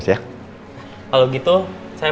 sebentar lagi selesai